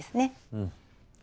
うん。